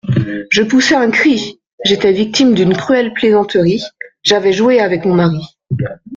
Je poussai un cri ! j'étais victime d'une cruelle plaisanterie ; j'avais joué avec mon mari.